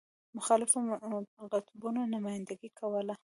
مخالفو قطبونو نمایندګي کوله.